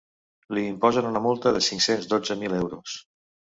Li imposen una multa de cinc-cents dotze mil euros.